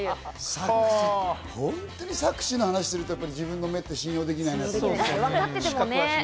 本当に錯視の話をすると、自分の目って信用できないよね。